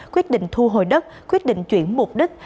quyết định thu hồi đất quyết định chuyển mục đích